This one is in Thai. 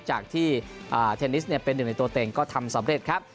จากที่เทนนิสเป็นหนึ่งในตัวเต็งก็ทำสำเร็จครับ